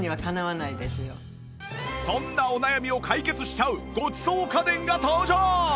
そんなお悩みを解決しちゃうごちそう家電が登場！